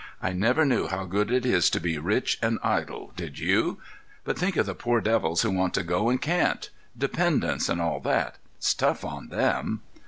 I never knew how good it is to be rich and idle—did you? But think of the poor devils who want to go and can't—dependents, and all that. It's tough on them."